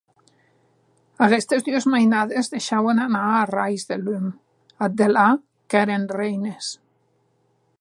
Aguestes dues mainades deishauen anar arrais de lum; ath delà, qu’èren reines.